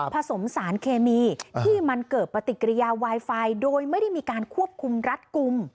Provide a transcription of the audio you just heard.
ผสมสารเคมีที่มันเกิดปฏิกิริยาไวไฟโดยไม่ได้มีการควบคุมรัดกลุ่ม